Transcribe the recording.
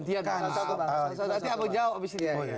nanti abang jawab abis ini